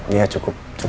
memang lu kasar